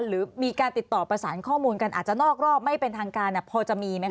หรือมีการติดต่อประสานข้อมูลกันอาจจะนอกรอบไม่เป็นทางการพอจะมีไหมค